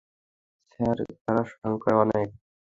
Sir, তারা সংখ্যায় অনেক।